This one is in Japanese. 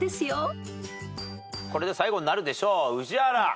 これで最後になるでしょう宇治原。